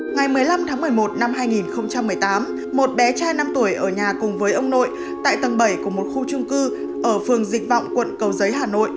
ngày một mươi năm tháng một mươi một năm hai nghìn một mươi tám một bé trai năm tuổi ở nhà cùng với ông nội tại tầng bảy của một khu trung cư ở phường dịch vọng quận cầu giấy hà nội